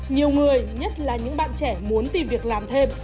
nhiều người nhất là những bạn trẻ muốn tìm việc làm thêm